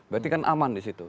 berarti kan aman di situ